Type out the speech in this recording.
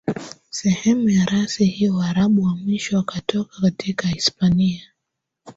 sehemu ya rasi hiyo Waarabu wa mwisho wakatoka katika Hispania